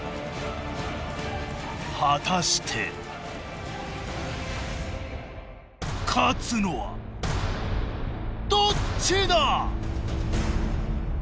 果たして勝つのはどっちだ！？